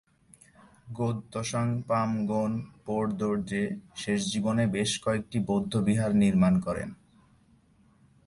র্গোদ-ত্শাং-পা-ম্গোন-পো-র্দো-র্জে শেষ জীবনে বেশ কয়েকটি বৌদ্ধবিহার নির্মাণ করেন।